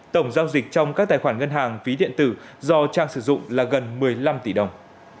tổng giao dịch trong các tài khoản ngân hàng phí điện tử do trang sử dụng là gần một mươi năm tỷ đồng